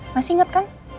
masih inget kan